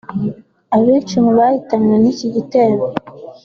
Abenshi mu bahitanywe n’iki gitero